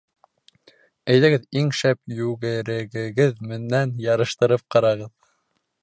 Әйҙәгеҙ, иң шәп йүгерегегеҙ менән ярыштырып ҡарағыҙ.